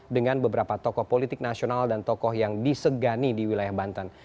dengan beberapa tokoh politik nasional dan tokoh yang disegani di wilayah banten